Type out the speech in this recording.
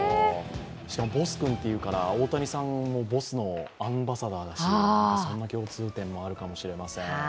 しかもＢＯＳＳ君というから大谷さんもＢＯＳＳのアンバサダーだしそんな共通点もあるかもしれません。